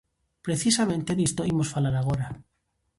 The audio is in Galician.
Precisamente disto imos falar agora.